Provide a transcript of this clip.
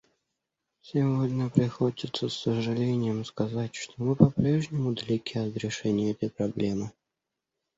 Сегодня приходится с сожалением сказать, что мы по-прежнему далеки от решения этой проблемы.